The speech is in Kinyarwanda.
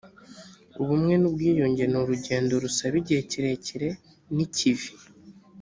ubumwe n ubwiyunge ni urugendo rusaba igihe kirekire ni ikivi